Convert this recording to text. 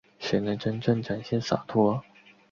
谁能真正展现洒脱